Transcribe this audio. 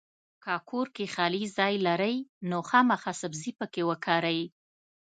کۀ کور کې خالي ځای لرئ نو خامخا سبزي پکې وکرئ!